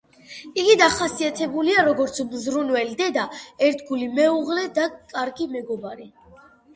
იგი დახასიათებულია როგორც მზრუნველი დედა, ერთგული მეუღლე და კარგი მეგობარი.